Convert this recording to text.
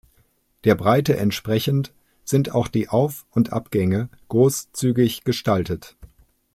Der Breite entsprechend sind auch die Auf- und Abgänge großzügig gestaltet.